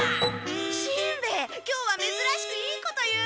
しんべヱ今日はめずらしくいいこと言う！